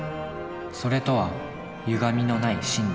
「それ」とはゆがみのない真理。